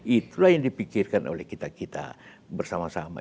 itulah yang dipikirkan oleh kita kita bersama sama